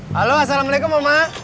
halo assalamualaikum oma